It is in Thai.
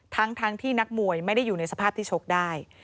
ทั้งที่นักมวยไม่ได้อยู่ในสภาพที่ชกได้